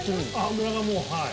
脂がもうはい。